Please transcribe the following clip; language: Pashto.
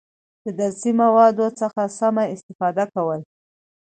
د درسي موادو څخه سمه استفاده کول،